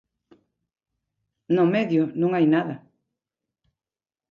No medio, non hai nada.